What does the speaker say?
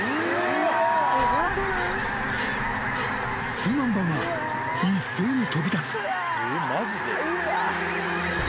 ［数万羽が一斉に飛び立つ］